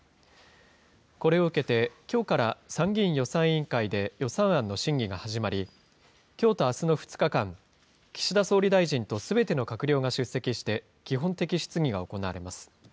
これを受けて、きょうから参議院予算委員会で予算案の審議が始まり、きょうとあすの２日間、岸田総理大臣とすべての閣僚が出席して、基本的質疑が行われます。